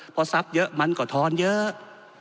เพราะทรัพย์เยอะมันก็ทอนเยอะ